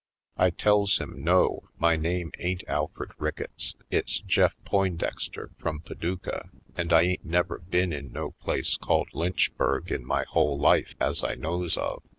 I tells him no, my name ain't Alfred Ricketts — it's Jeff Poindexter from Padu cah, and I ain't never been in no place called Lynchburg in my whole life as I knows of.